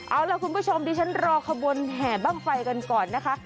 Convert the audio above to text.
เอาล่ะคุณผู้ชมดิฉันรอขบวนแห่บ้างไฟกันก่อนนะคะ